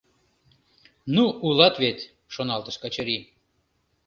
«Ну, улат вет!» — шоналтыш Качырий.